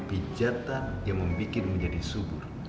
pijatan yang membuat menjadi subur